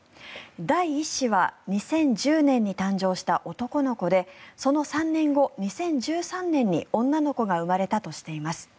第１子は２０１０年に誕生した男の子でその３年後、２０１３年に女の子が生まれたとしています。